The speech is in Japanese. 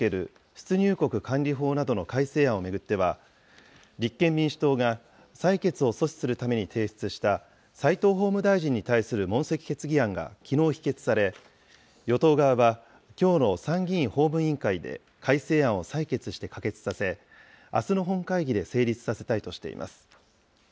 出入国管理法などの改正案を巡っては、立憲民主党が採決を阻止するために提出した、齋藤法務大臣に対する問責決議案がきのう否決され、与党側は、きょうの参議院法務委員会で改正案を採決して可決させ、あすの本会議で成立させたいとしています。